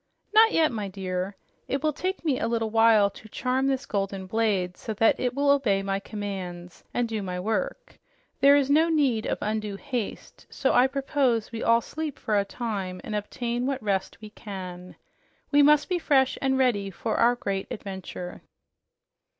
"Not yet, my dear. It will take me a little while to charm this golden blade so that it will obey my commands and do my work. There is no need of undue haste, so I propose we all sleep for a time and obtain what rest we can. We must be fresh and ready for our great adventure."